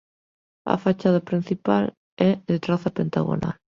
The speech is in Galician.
A fachada principal é de traza pentagonal.